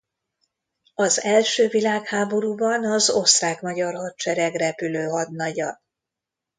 Az első világháborúban az osztrák-magyar hadsereg repülő hadnagya.